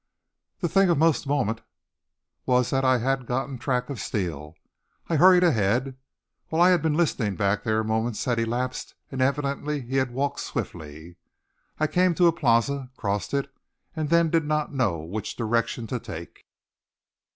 The thing of most moment was that I had gotten track of Steele. I hurried ahead. While I had been listening back there moments had elapsed and evidently he had walked swiftly. I came to the plaza, crossed it, and then did not know which direction to take.